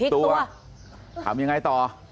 ทำยังไงต่อ